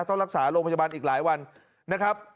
ต้องรักษาโรงพยาบาลอีกหลายวันนะครับ